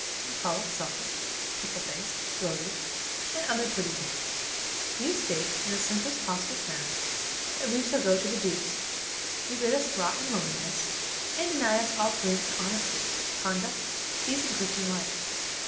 You call us selfish, purple faced, bloated, and other pretty names. You state, in the simplest possible terms, that we shall go to the deuce. You bid us rot in loneliness, and deny us all claims to honesty, conduct, decent Christian life.